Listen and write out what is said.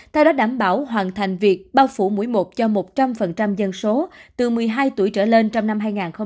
theo đó đảm bảo hoàn thành việc bao phủ mũi một cho một trăm linh dân số từ một mươi hai tuổi trở lên trong năm hai nghìn hai mươi